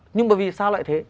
nhưng mà vì sao lại thế